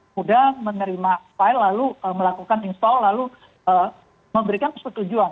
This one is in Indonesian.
sudah menerima file lalu melakukan install lalu memberikan persetujuan